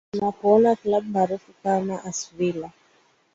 unapoona klabu maarufu kama acvilla